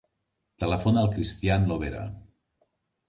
Telefona al Cristián Lobera.